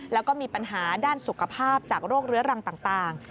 แล้วก็มีปัญหาด้านสุขภาพจากโรคเรื้อรังต่าง